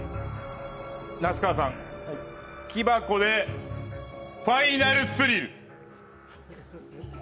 那須川さん、木箱でファイナルスリル？